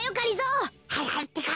はいはいってか。